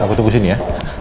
ibu tunggu sini ya